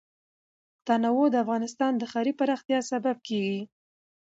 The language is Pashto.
تنوع د افغانستان د ښاري پراختیا سبب کېږي.